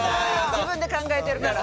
自分で考えてるから。